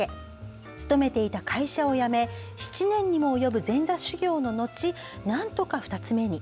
勤めていた会社を辞め７年にも及ぶ前座修行の後なんとか二ツ目に。